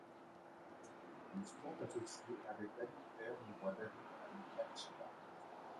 Il est souvent associé avec l'adultère du roi David avec Batsheba.